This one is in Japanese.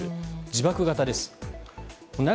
自爆型です。